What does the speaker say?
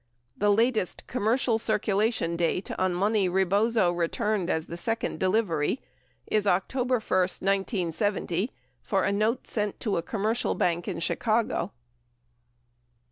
The latest commercial circulation date on money Rebozo returned as the second delivery is October 1, 1970, for a note sent to a commercial bank in Chicago.